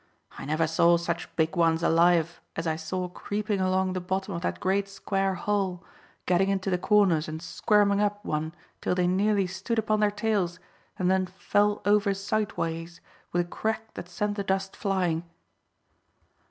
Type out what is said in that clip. I never saw such big ones alive as I saw creeping along the bottom of that great square hole, getting into the corners and squirming up one till they nearly stood upon their tails, and then fell over sidewise with a crack that sent the dust flying."